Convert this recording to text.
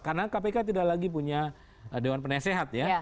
karena kpk tidak lagi punya dewan penasehat ya